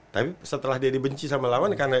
tapi setelah dia dibenci sama lawannya